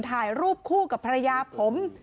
ถ่ายรูปคู่กับภรรยาผม